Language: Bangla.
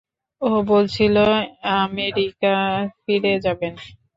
ও বলছিল আমেরিকা ফিরে যাবেন।